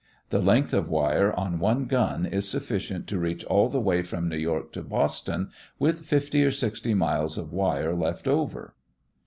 The length of wire on one gun is sufficient to reach all the way from New York to Boston with fifty or sixty miles of wire left over.